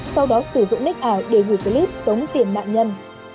sau đó sử dụng nick ảo để gửi clip tống tiền nạn nhân